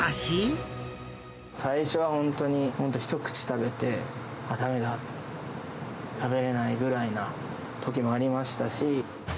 最初は本当に、本当、一口食べて、あっ、だめだ、食べれないぐらいなときもありましたし。